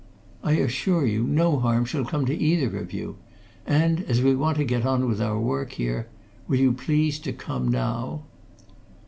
I assure you, no harm shall come to either of you. And as we want to get on with our work here will you please to come, now?"